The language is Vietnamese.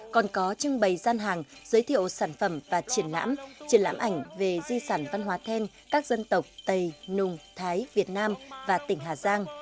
còn có trưng bày gian hàng giới thiệu sản phẩm và triển lãm triển lãm ảnh về di sản văn hóa then các dân tộc tây nùng thái việt nam và tỉnh hà giang